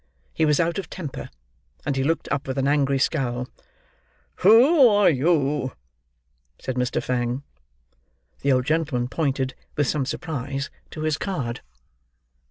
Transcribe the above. He was out of temper; and he looked up with an angry scowl. "Who are you?" said Mr. Fang. The old gentleman pointed, with some surprise, to his card.